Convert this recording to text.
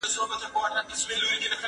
زه زده کړه نه کوم!؟